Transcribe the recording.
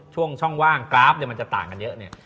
ช่วงช่องว่างกราฟมันจะต่างกันเยอะเนี่ย